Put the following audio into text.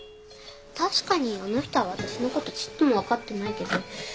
確かにあの人は私のことちっとも分かってないけど。